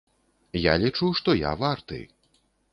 Я лічу, што я варты.